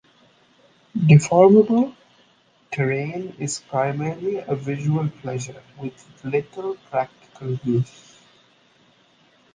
Deformable terrain is primarily a visual pleasure, with little practical use.